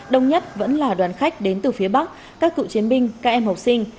đông nhất vẫn là đoàn khách đến từ phía bắc các cựu chiến binh các em học sinh